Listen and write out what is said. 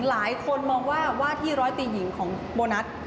หลายคนมองว่าว่าที่ร้อยตีหญิงของโบนัส